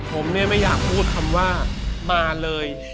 ผมเนี่ยไม่อยากพูดคำว่ามาเลย